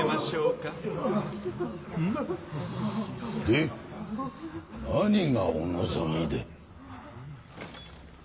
で何がお望みで？